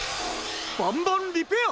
バンバンリペア！